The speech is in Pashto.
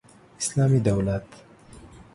اسلامي دولت